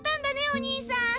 お兄さん！